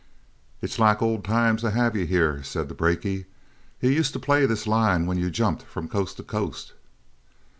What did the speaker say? "It's like old times to have you here," said the brakie. "You used to play this line when you jumped from coast to coast."